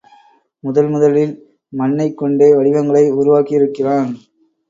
முதல் முதலில் மண்ணைக்கொண்டே வடிவங்களை உருவாக்கியிருக்கிறான்.